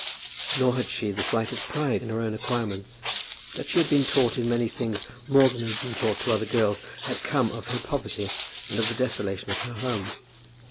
Nor had she the slightest pride in her own acquirements. That she had been taught in many things more than had been taught to other girls, had come of her poverty and of the desolation of her home.